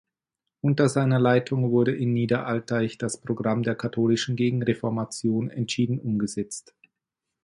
Unter seiner Leitung wurde in Niederaltaich das Programm der katholischen Gegenreformation entschieden umgesetzt.